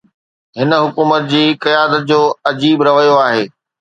هن حڪومت جي قيادت جو عجيب رويو آهي.